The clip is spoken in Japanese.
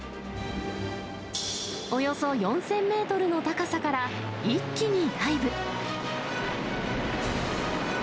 およそ４０００メートルの高さから一気にダイブ。